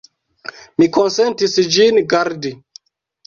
Mi konsentis ĝin gardi.